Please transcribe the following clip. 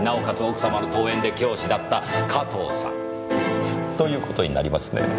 奥様の遠縁で教師だった加藤さん。という事になりますねぇ。